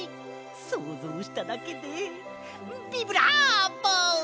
そうぞうしただけでビブラーボ！